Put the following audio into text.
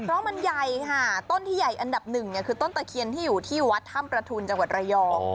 เพราะมันใหญ่ค่ะต้นที่ใหญ่อันดับหนึ่งเนี่ยคือต้นตะเคียนที่อยู่ที่วัดถ้ำประทุนจังหวัดระยอง